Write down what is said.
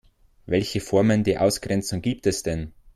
Welche Formen der Ausgrenzung gibt es denn?